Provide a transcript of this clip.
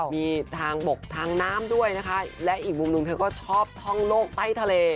มีทางบกทางน้ำด้วยนะคะและอีกมุมหนึ่งเธอก็ชอบท่องโลกใต้ทะเล